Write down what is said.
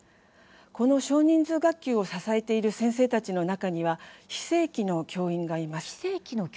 この少人数学級を支えている先生たちの中には非正規の教員がいます。